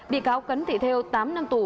bị cáo cấn thị thêu tám năm tù